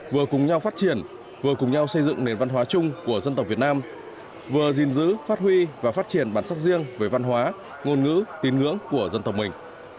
vừa cùng nhau phát triển vừa cùng nhau xây dựng nền văn hóa chung của dân tộc việt nam vừa gìn giữ phát huy và phát triển bản sắc riêng về văn hóa ngôn ngữ tin ngưỡng của dân tộc mình